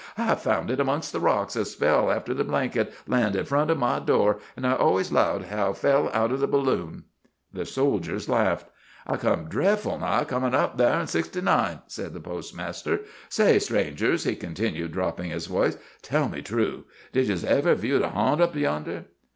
"I found hit 'mongst the rocks a spell after the blanket landed front o' my door, an' I always 'lowed hit fell out o' the balloon." The soldiers laughed. "I come drefful nigh comin' up thar in '69," said the postmaster. "Say, strangers," he continued, dropping his voice, "tell me true; did you 'ns ever view the harnt up yonder?"